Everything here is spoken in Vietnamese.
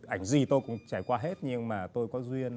ảnh gì tôi cũng trải qua hết nhưng mà tôi có duyên